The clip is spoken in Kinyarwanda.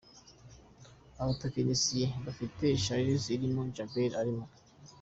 abatekinisye dufite Shassir arimo, Djabel arimo.